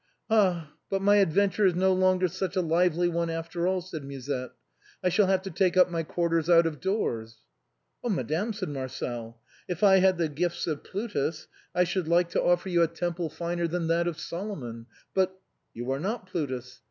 "Ah, but my adventure is no longer such a lively one after all," said Musette ;" I shall have to take up my quarters out of doors." " Oh ! madame," said Marcel, " if I had the gifts of Plutus I should like to offer you a temple finer than that of Solomon, but —"" You are not Plutus.